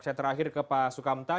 saya terakhir ke pak sukamta